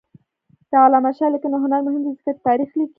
د علامه رشاد لیکنی هنر مهم دی ځکه چې تاریخ لیکي.